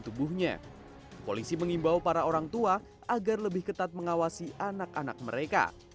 dan tubuhnya polisi mengimbau para orang tua agar lebih ketat mengawasi anak anak mereka